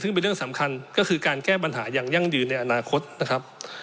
ซึ่งเป็นเรื่องสำคัญก็คือการแก้ปัญหาอย่างยั่งยืนในอนาคตนะครับ